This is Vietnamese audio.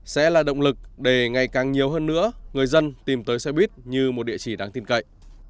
sẽ là động lực để ngày càng nhiều hơn nữa người dân tìm tới xe buýt như một địa chỉ đáng tin cậy